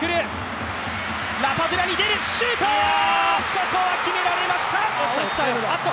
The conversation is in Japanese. ここは決められました！